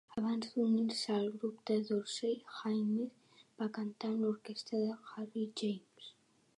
Abans d'unir-se al grup de Dorsey, Haymes va cantar amb l'orquestra de Harry James.